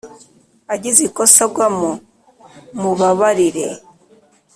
agize ikosa agwamo mubabarire